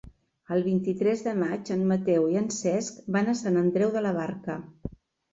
El vint-i-tres de maig en Mateu i en Cesc van a Sant Andreu de la Barca.